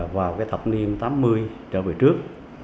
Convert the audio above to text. vào thập niên tám mươi trở về trước